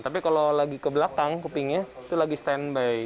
tapi kalau lagi ke belakang kupingnya itu lagi standby